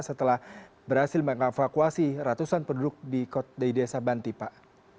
setelah berhasil mengevakuasi ratusan penduduk di kot dede sabanti pak